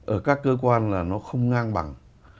ở các cơ quan là nó không ngang bằng